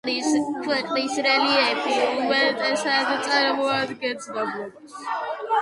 ქვეყნის რელიეფი უმეტესად წარმოადგენს დაბლობს.